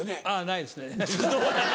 ないですね。